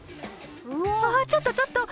わあちょっとちょっと！